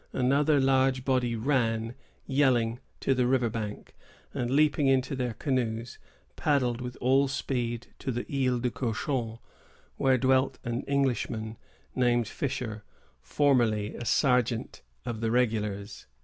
Another large body ran, yelling, to the river bank, and, leaping into their canoes, paddled with all speed to the Isle au Cochon, where dwelt an Englishman, named Fisher, formerly a sergeant of the regulars.